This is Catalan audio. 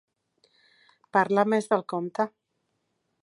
Parlar més del compte.